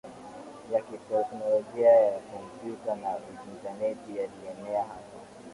ya kiteknolojia ya kompyuta na intaneti yalienea hapa